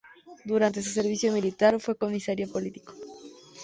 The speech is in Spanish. Durante su servicio militar, fue comisario político.